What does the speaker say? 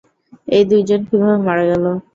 এই দুইজন কীভাবে মারা গেল?